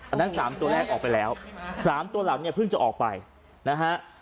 อันนั้น๓ตัวแรกออกไปแล้ว๓ตัวหลังเนี่ยเพิ่งจะออกไปนะฮะ